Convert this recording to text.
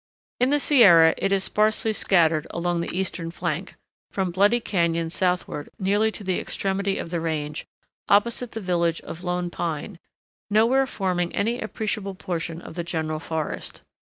In the Sierra it is sparsely scattered along the eastern flank, from Bloody Cañon southward nearly to the extremity of the range, opposite the village of Lone Pine, nowhere forming any appreciable portion of the general forest.